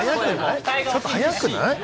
ちょっと早くない？